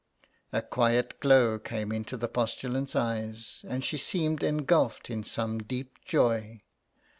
A quiet glow came into the postulant's eyes, and she seemed engulfed in some deep joy.